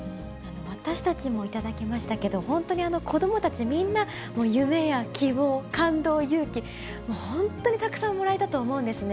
私たちも頂きましたけど、本当に子どもたちみんな、夢や希望、感動、勇気、本当にたくさんもらえたと思うんですね。